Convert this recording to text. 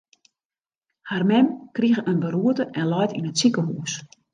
Har mem krige in beroerte en leit yn it sikehús.